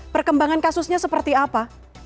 perkembangan kasusnya seperti apa